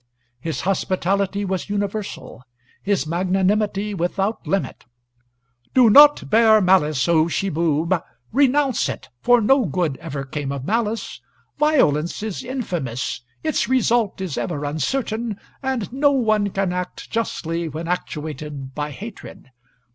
His hospitality was universal; his magnanimity without limit. "Do not bear malice, O Shiboob. Renounce it; for no good ever came of malice. Violence is infamous; its result is ever uncertain, and no one can act justly when actuated by hatred.